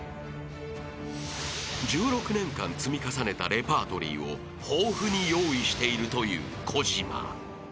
［１６年間積み重ねたレパートリーを豊富に用意しているという小島］